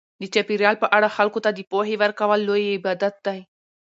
د چاپیریال په اړه خلکو ته د پوهې ورکول لوی عبادت دی.